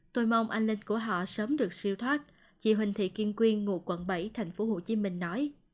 tôi mong anh linh của họ sớm được siêu thoát chị huỳnh thị kiên quyên ngụ quận bảy tp hcm nói